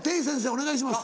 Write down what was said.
お願いします。